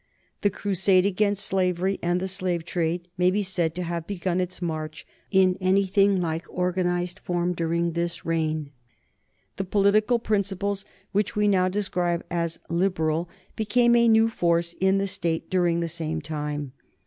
The crusade against slavery and the slave trade may be said to have begun its march in anything like organized form during this reign. The political principles which we now describe as Liberal became a new force in the State during the same time.